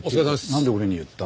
なんで俺に言った？